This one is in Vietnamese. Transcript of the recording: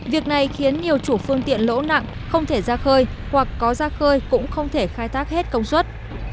việc này khiến nhiều chủ phương tiện lỗ nặng không thể ra khơi hoặc có ra khơi cũng không thể khai thác hết công suất